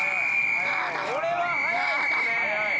これは早いっすね。